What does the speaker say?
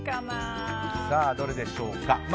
さあ、どれでしょうか。